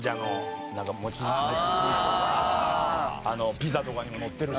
ピザとかにものってる。